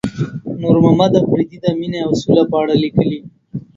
نورمحمد اپريدي د مينې او سولې په اړه ليکلي.